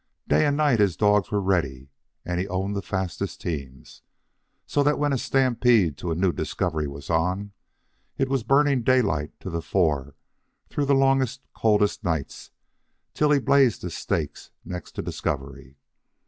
Day and night his dogs were ready, and he owned the fastest teams; so that when a stampede to a new discovery was on, it was Burning Daylight to the fore through the longest, coldest nights till he blazed his stakes next to Discovery.